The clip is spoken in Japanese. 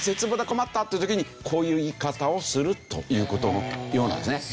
困った！」っていう時にこういう言い方をするというようなんですね。